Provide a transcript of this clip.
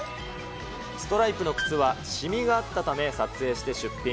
ストライプの靴はしみがあったため、撮影して出品。